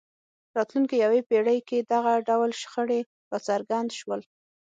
راتلونکې یوې پېړۍ کې دغه ډول شخړې راڅرګند شول.